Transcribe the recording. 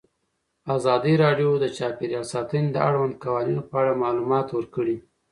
ازادي راډیو د چاپیریال ساتنه د اړونده قوانینو په اړه معلومات ورکړي.